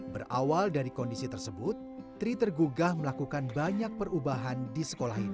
berawal dari kondisi tersebut tri tergugah melakukan banyak perubahan di sekolah ini